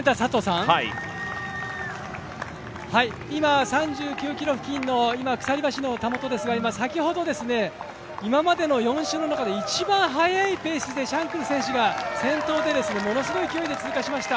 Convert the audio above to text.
今、３９ｋｍ付近の鎖橋のたもとですが、今、先ほど今までの４周の中で一番速いペースでシャンクル選手が先頭でものすごい勢いで通過しました。